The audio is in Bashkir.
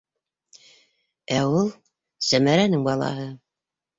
Ә ул - Сәмәрәнең балаһы.